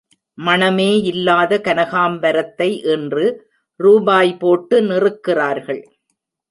மணமேயில்லாத கனகாம்பரத்தை இன்று ரூபாய் போட்டு நிறுக்கிறார்கள்!